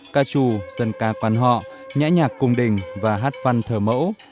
ca trù dân ca quan họ nhã nhạc cung đình và hát văn thờ mẫu